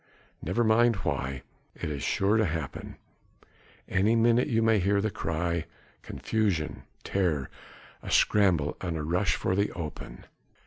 "Never mind why. It is sure to happen. Any minute you may hear the cry ... confusion, terror ... a scramble and a rush for the open."